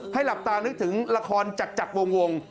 ให้หลับตานึกถึงละครจัดวง